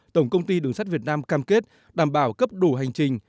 tổng công ty đường sắt việt nam cam kết đảm bảo cấp đủ hành trình